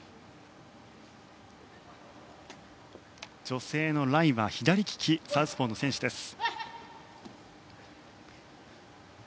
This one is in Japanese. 女性のライは左利きサウスポーの選手です。